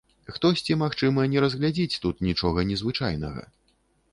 Хтосьці, магчыма, не разглядзіць тут нічога незвычайнага.